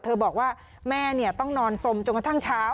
บอกว่าแม่ต้องนอนสมจนกระทั่งเช้า